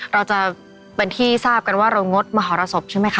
เราจะเป็นที่ทราบกันว่าเรางดมหรสบใช่ไหมคะ